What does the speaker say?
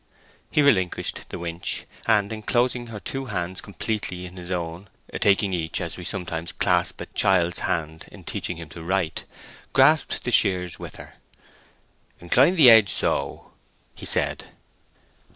He relinquished the winch, and inclosing her two hands completely in his own (taking each as we sometimes slap a child's hand in teaching him to write), grasped the shears with her. "Incline the edge so," he said.